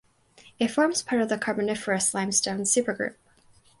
It forms part of the Carboniferous Limestone Supergroup.